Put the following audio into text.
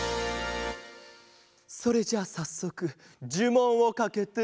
それじゃあさっそくじゅもんをかけて。